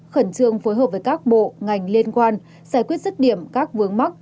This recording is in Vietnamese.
khẩn trương phối hợp với các bộ ngành liên quan giải quyết sức điểm các vướng mắt